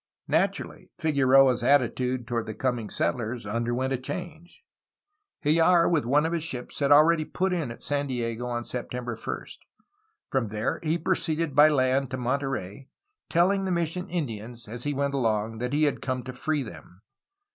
Naturally, Figueroa' s attitude toward the coming settlers underwent a change. Hljar, with one of his ships, had already put in at San Diego on September 1st. From there he proceeded by land to Monterey, telling the mission Indians, as he went along, that he had come to free them.